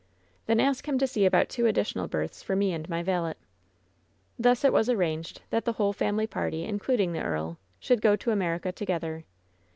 "Then ask him to see about two additional berths for mo and my valet.'^ Thus it was arranged that the whole family party, in cluding the earl, should go to America together.